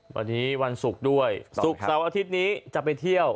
วันนี้วันศุกร์ด้วยศุกร์เสาร์อาทิตย์นี้จะไปเที่ยว